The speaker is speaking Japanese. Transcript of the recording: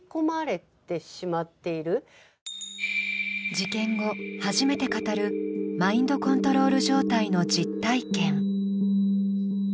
事件後、初めて語るマインドコントロール状態の実体験。